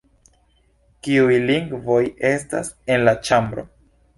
Kiuj lingvoj estas en la ĉambro?